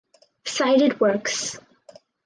Cited works